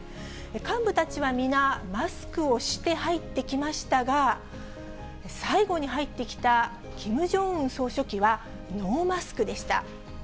幹部たちは皆、マスクをして入ってきましたが、最後に入ってきたキム・ジョンウン総書記は、ノーマスクでした。